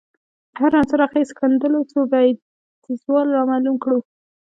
د هر عنصر اغېز ښندلو څو بعدیزوالی رامعلوم کړو